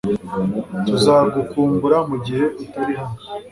Tuzagukumbura mugihe utari hano